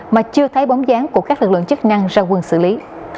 mà chưa thấy bóng dáng của các lực lượng chức năng ra quân xử lý